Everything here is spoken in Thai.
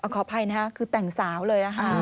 ขออภัยนะคะคือแต่งสาวเลย